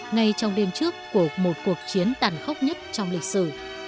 ngay trong đêm trước của một cuộc chiến tàn khốc nhất trong lịch sử